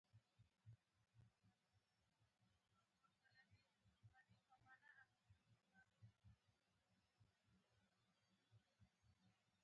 ماڼۍ شنه شوه.